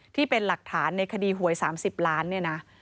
ที่เป็นหลักฐานในคดีหวย๓๐ล้าน